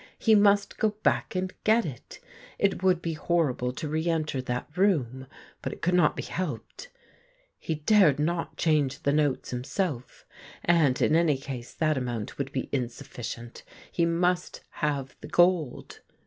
He must go back and get it. It would be horrible to re enter that room, but it could not be helped. He dared not change the notes himself, and in any case that amount would be insufficient. He must have the gold.